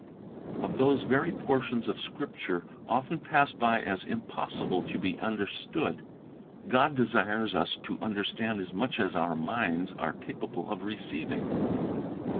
Of those very portions of Scripture often passed by as impossible to be understood, God desires us to under stand as much as our minds are capable of receiving.